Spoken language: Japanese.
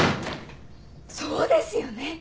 そうですよね！